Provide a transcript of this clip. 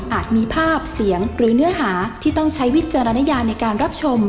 มีภาพเสียงหรือเนื้อหาที่ต้องใช้วิจารณญาในการรับชม